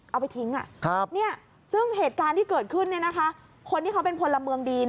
เอาไปทิ้งอ่ะซึ่งเหตุการณ์ที่เกิดขึ้นเขาเป็นคนละเมืองดี